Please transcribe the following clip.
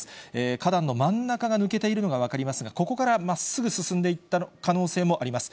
花壇の真ん中が抜けているのが分かりますが、ここからまっすぐ進んでいった可能性もあります。